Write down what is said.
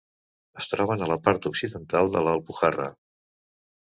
Es troben a la part occidental de La Alpujarra.